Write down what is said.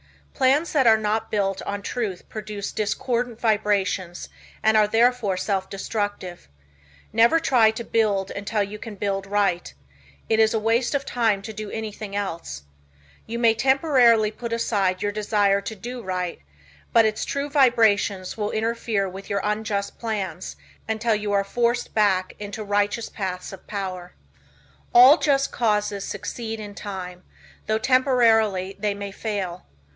Plans that are not built on truth produce discordant vibrations and are therefore self destructive. Never try to build until you can build right. It is a waste of time to do anything else. You may temporarily put aside your desire to do right, but its true vibrations will interfere with your unjust plans until you are forced back into righteous paths of power. All just causes succeed in time, though temporarily they may fail.